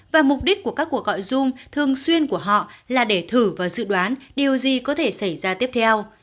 và mục đích của các cuộc gọi dung thường xuyên của họ là để thử và dự đoán điều gì có thể xảy ra tiếp theo